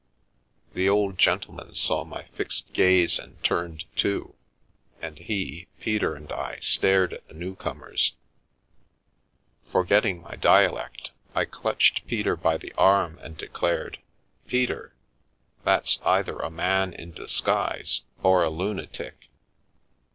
The old gentleman saw my fixed gaze and turned too, and he, Peter and I stared at the newcomers. Forgetting my dialect, I clutched 218 it We "Leap Screaming ' Peter by the arm and declared: " Peter, that's either a man in disguise or a lunatic